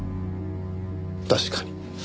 確かに。